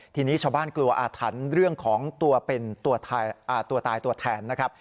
ทีนี้ชาวบ้านกลัวอาถรรพ์เรื่องของตัวเป็นตัวตายตัวแทนนะครับ